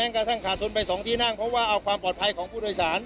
ของที่นั่งเพราะว่าเอาความปลอดภัยของผู้โดยศาล